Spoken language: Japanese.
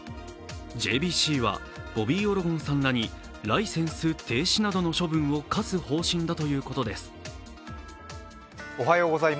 ＪＢＣはボビー・オロゴンさんらにライセンス停止などの処分を科す方針だということです。